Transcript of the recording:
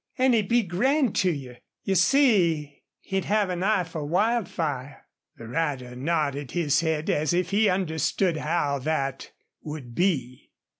"And he'd be grand to you. You see, he'd have an eye for Wildfire." The rider nodded his head as if he understood how that would be.